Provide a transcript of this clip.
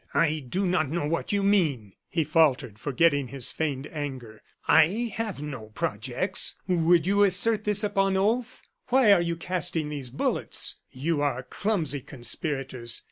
"I do not know what you mean," he faltered, forgetting his feigned anger; "I have no projects." "Would you assert this upon oath? Why are you casting these bullets? You are clumsy conspirators.